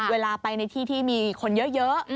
เวลาไปในที่ที่มีคนเยอะ